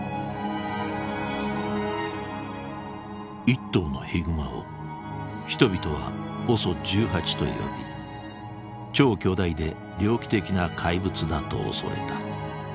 一頭のヒグマを人々はＯＳＯ１８と呼び「超巨大で猟奇的な怪物」だと恐れた。